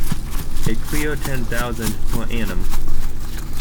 A clear ten thousand per annum.